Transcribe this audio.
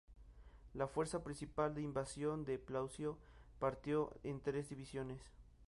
La fuerza principal de invasión de Plaucio partió en tres divisiones.